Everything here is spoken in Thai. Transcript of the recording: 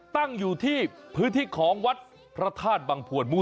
ตั้งอยู่ที่พื้นที่ของวัดพระธาตุบังพวนมู่